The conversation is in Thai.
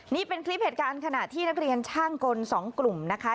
นี่เป็นคลิปเหตุการณ์ขณะที่นักเรียนช่างกล๒กลุ่มนะคะ